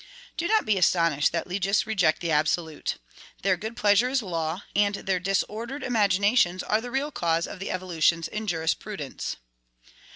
Do not be astonished that legists reject the absolute. Their good pleasure is law, and their disordered imaginations are the real cause of the EVOLUTIONS in jurisprudence.